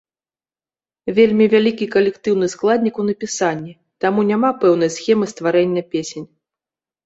Вельмі вялікі калектыўны складнік у напісанні, таму няма пэўнай схемы стварэння песень.